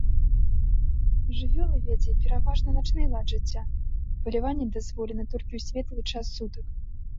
Жывёла вядзе пераважна начны лад жыцця, а паляванне дазволена толькі ў светлы час сутак.